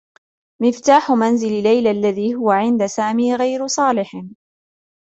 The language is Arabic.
مفتاح منزل ليلى الذي هو عند سامي غير صالح.